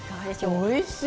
おいしい。